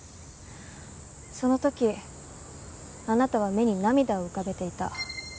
その時あなたは目に涙を浮かべていた。